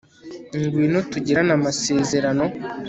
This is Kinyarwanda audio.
ngwino tugirane amasezerano